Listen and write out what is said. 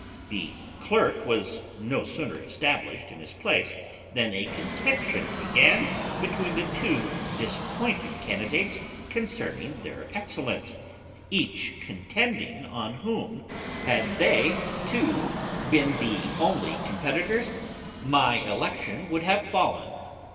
The clerk was no sooner established in his place than a contention began between the two disappointed candidates concerning their excellence; each contending on whom, had they two been the only competitors, my election would have fallen.